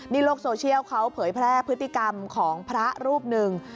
นี่โลกโซเชียลเขาเผยแพร่พฤติกรรมของพระรูปหนึ่ง